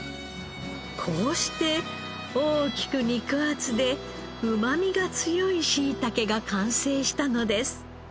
こうして大きく肉厚でうまみが強いしいたけが完成したのです。